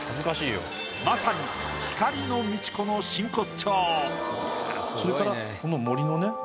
まさに光の道子の真骨頂！